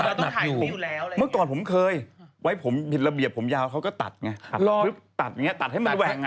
หนักอยู่เมื่อก่อนผมเคยไว้ผมผิดระเบียบผมยาวเขาก็ตัดไงตัดอย่างนี้ตัดให้มันแหว่งอ่ะ